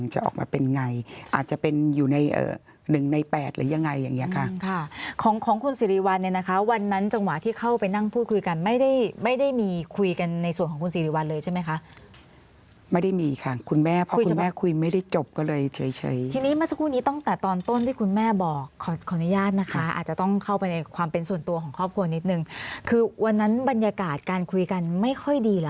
จะออกมาเป็นไงอาจจะเป็นอยู่ในเอ่อหนึ่งในแปดหรือยังไงอย่างเงี้ยค่ะของของคุณสิริวัลเนี่ยนะคะวันนั้นจังหวะที่เข้าไปนั่งพูดคุยกันไม่ได้ไม่ได้มีคุยกันในส่วนของคุณสิริวัลเลยใช่ไหมคะไม่ได้มีค่ะคุณแม่เพราะคุณแม่คุยไม่ได้จบก็เลยเฉยทีนี้มาสักครู่นี้ต้องแต่ตอนต้นที่คุณแม่บอกขอขออนุญาตนะคะ